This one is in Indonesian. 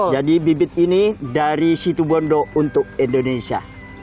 jadi bibit ini dari situbondo untuk indonesia